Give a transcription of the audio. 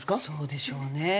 そうでしょうね。